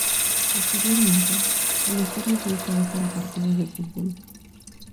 Posteriormente, el estadio fue usado para partidos de fútbol.